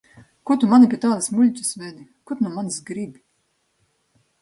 Ko tu mani pie tādas muļķes vedi? Ko tu no manis gribi?